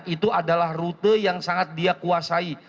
itu adalah rute yang sangat dia kuasai